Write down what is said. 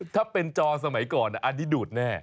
ถ้าเป็นจอสมัยก่อนอันนี้ดูดแน่